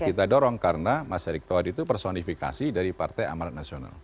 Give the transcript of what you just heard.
kita dorong karena mas erick thohir itu personifikasi dari partai amarat nasional